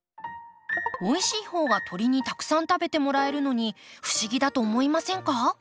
おいしい方が鳥にたくさん食べてもらえるのに不思議だと思いませんか？